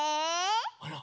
あら？